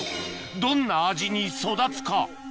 どんな味に育つか？